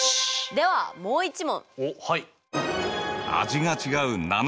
ではもう一問。